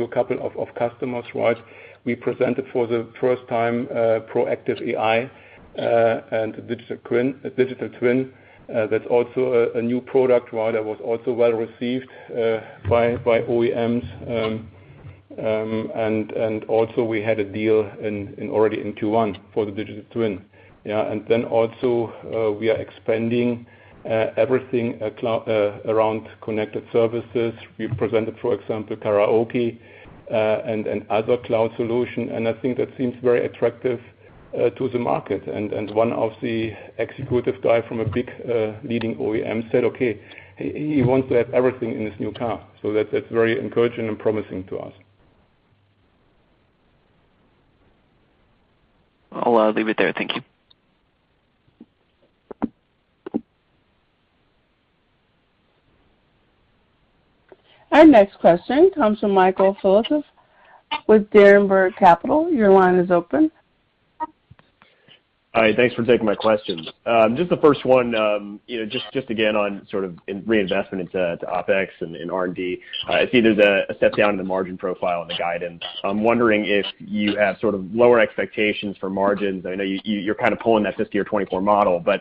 to a couple of customers, right? We presented for the first time, Proactive AI, and Digital Twin. That's also a new product, right? That was also well received by OEMs. We had a deal already in Q1 for the Digital Twin. Yeah. We are expanding everything around connected services. We presented, for example, karaoke, and other cloud solution, and I think that seems very attractive to the market. And one of the executive guys from a big leading OEM said, okay, he wants to have everything in his new car. So that's very encouraging and promising to us. I'll leave it there. Thank you. Our next question comes from Michael Filatov with Berenberg Capital. Your line is open. Hi. Thanks for taking my questions. Just the first one, you know, just again, on sort of reinvestment into OpEx and R&D. I see there's a step down in the margin profile and the guidance. I'm wondering if you have sort of lower expectations for margins. I know you're kind of pulling that 50 or 24 model, but,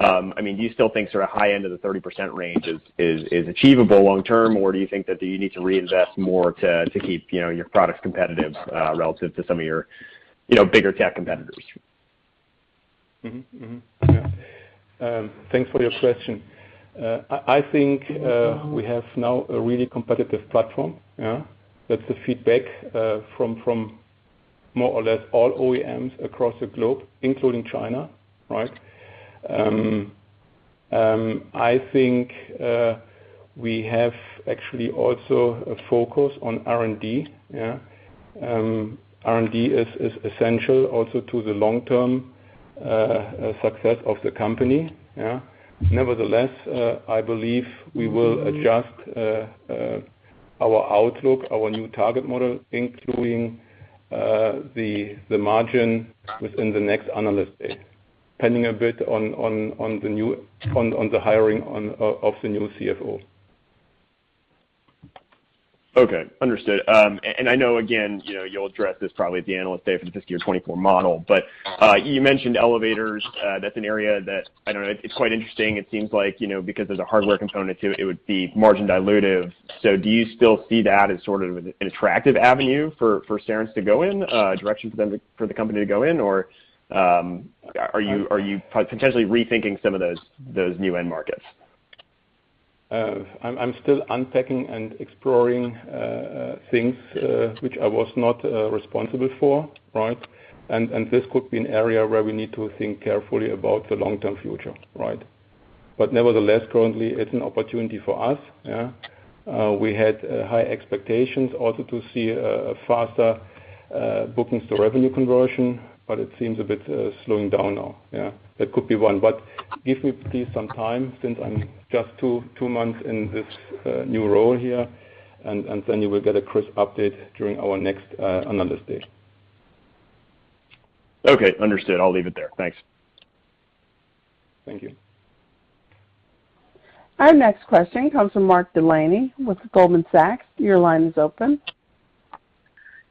I mean, do you still think sort of high end of the 30% range is achievable long term? Or do you think that you need to reinvest more to keep, you know, your products competitive, relative to some of your, you know, bigger tech competitors? Thanks for your question. I think we have now a really competitive platform. That's the feedback from more or less all OEMs across the globe, including China, right? I think we have actually also a focus on R&D. R&D is essential also to the long-term success of the company. Nevertheless, I believe we will adjust our outlook, our new target model, including the margin within the next Analyst Day, depending a bit on the hiring of the new CFO. Okay. Understood. I know again, you know, you'll address this probably at the Analyst Day for the FY 2024 model. You mentioned elevators. That's an area that I know it's quite interesting. It seems like, you know, because there's a hardware component to it would be margin dilutive. Do you still see that as sort of an attractive avenue for Cerence to go in direction for the company to go in? Or, are you potentially rethinking some of those new end markets? I'm still unpacking and exploring things which I was not responsible for, right? This could be an area where we need to think carefully about the long-term future, right? Nevertheless, currently, it's an opportunity for us. Yeah. We had high expectations also to see a faster booking to revenue conversion, but it seems a bit slowing down now. Yeah. That could be one. Give me please some time since I'm just two months in this new role here, and then you will get a crisp update during our next Analyst Day. Okay. Understood. I'll leave it there. Thanks. Thank you. Our next question comes from Mark Delaney with Goldman Sachs. Your line is open.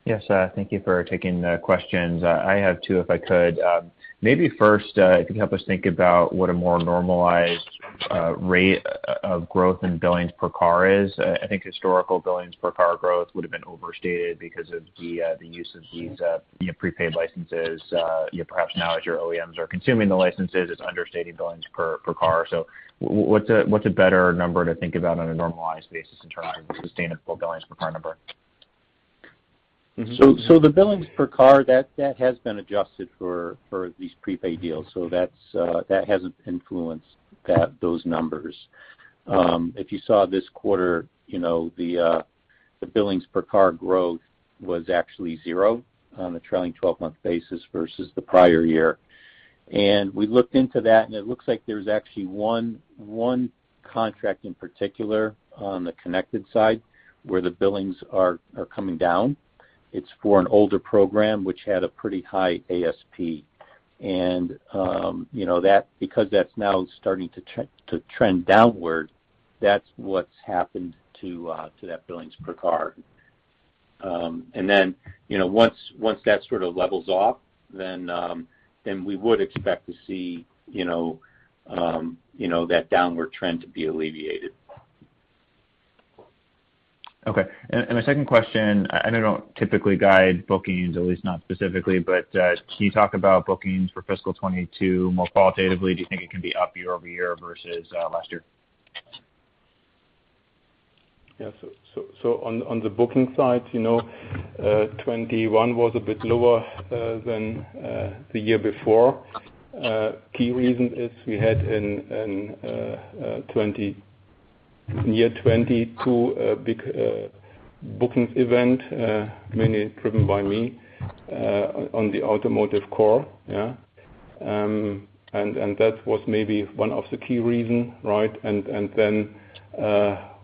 Yes. Thank you for taking the questions. I have two, if I could. Maybe first, if you could help us think about what a more normalized rate of growth in billings per car is. I think historical billings per car growth would have been overstated because of the use of these, you know, prepaid licenses. You know, perhaps now as your OEMs are consuming the licenses, it's understating billings per car. What's a better number to think about on a normalized basis in terms of sustainable billings per car number? The billings per car that has been adjusted for these prepaid deals. That hasn't influenced those numbers. If you saw this quarter, you know, the billings per car growth was actually zero on a trailing 12-month basis versus the prior year. We looked into that, and it looks like there's actually one contract in particular on the connected side, where the billings are coming down. It's for an older program which had a pretty high ASP. You know that because that's now starting to trend downward, that's what's happened to that billings per car. You know, once that sort of levels off, then we would expect to see, you know, that downward trend to be alleviated. Okay. My second question, I know you don't typically guide bookings, at least not specifically, but can you talk about bookings for fiscal 2022 more qualitatively? Do you think it can be up year-over-year versus last year? On the booking side, you know, 2021 was a bit lower than the year before. Key reason is we had in year 2022 a big bookings event, mainly driven by me on the automotive core. That was maybe one of the key reasons, right?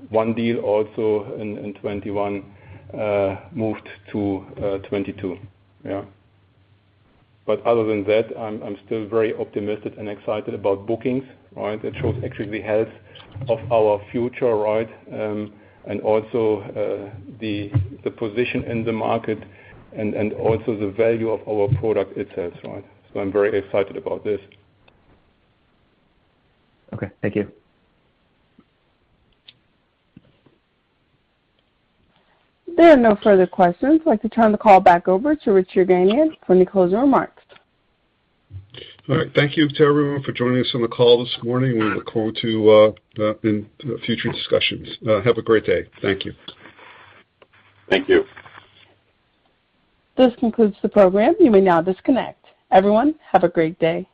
One deal also in 2021, moved to 2022. Other than that, I'm still very optimistic and excited about bookings, right? It shows actually the health of our future, right? And also the position in the market and also the value of our product itself, right? I'm very excited about this. Okay. Thank you. There are no further questions. I'd like to turn the call back over to Richard Yerganian for any closing remarks. All right. Thank you to everyone for joining us on the call this morning. We look forward to in future discussions. Have a great day. Thank you. Thank you. This concludes the program. You may now disconnect. Everyone, have a great day.